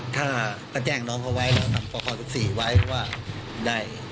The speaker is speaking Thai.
ถ้าแจ้งน้องเขาไว้เราตัดปรวบความศาสตร์สิทธิ์ไว้ว่าได้